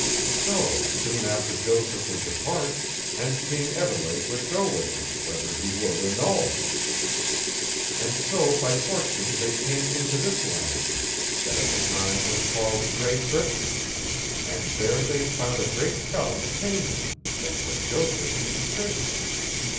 So, soon after Joseph would depart, and King Evelake would go with him whether he would or nold. And so by fortune they came into this land, that at that time was called Great Britain: and there they found a great felon paynim, that put Joseph into prison.